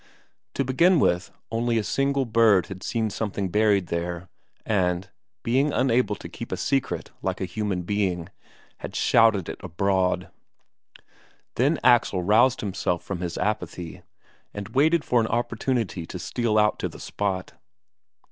To begin with, only a single bird had seen something buried there, and, being unable to keep a secret like a human being, had shouted it abroad. Then Axel roused himself from his apathy, and waited for an opportunity to steal out to the spot.